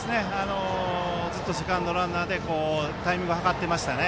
ずっとセカンドランナーでタイミング計ってましたね。